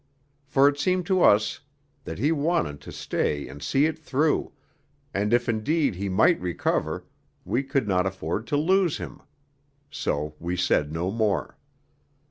For it seemed to us that he wanted to stay and see it through, and if indeed he might recover we could not afford to lose him. So we said no more.